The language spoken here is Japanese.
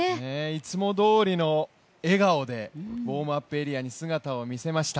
いつもどおりの笑顔でウォームアップエリアに姿を見せました。